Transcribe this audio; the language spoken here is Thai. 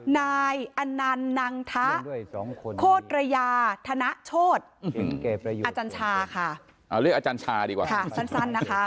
นายอันนานังทะโฆษระยาธนชโศษอชาค่ะ